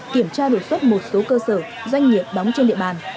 kiểm tra đột xuất một số cơ sở doanh nghiệp đóng trên địa bàn